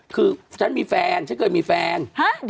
คือฉันมีแฟนฉันเคยมีแฟน